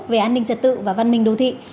về an ninh trật tự và văn minh đô thị